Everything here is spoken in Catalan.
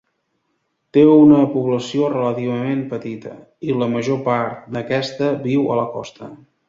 Té una població relativament petita, i la major part d'aquesta viu a la costa.